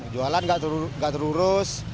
jualan gak terurus